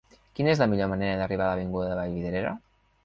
Quina és la millor manera d'arribar a l'avinguda de Vallvidrera?